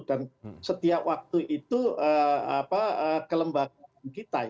dan setiap waktu itu kelembagaan kita